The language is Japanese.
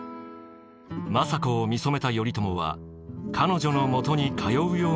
政子を見初めた頼朝は彼女のもとに通うようになります。